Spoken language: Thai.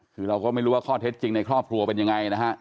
คือเราก็ไม่รู้ว่าข้อเท็จจริงในครอบครัวเป็นยังไงนะฮะ